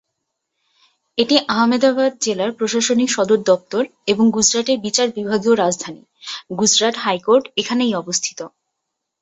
এটি আহমেদাবাদ জেলার প্রশাসনিক সদর দপ্তর এবং গুজরাটের বিচার বিভাগীয় রাজধানী; গুজরাট হাইকোর্ট এখানে অবস্থিত।